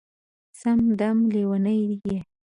سم دم لېونی یې